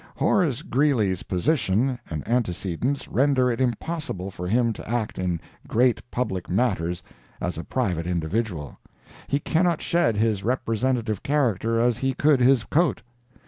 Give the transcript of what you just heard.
Horace Greeley's position and antecedents render it impossible for him to act in great public matters as a private individual—he cannot shed his representative character as he could his coat.